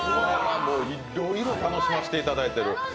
もう、いっろいろ楽しませていただいてる。